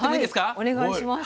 はいお願いします。